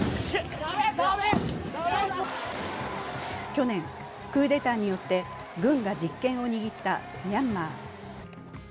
去年、クーデターによって軍が実権を握ったミャンマー。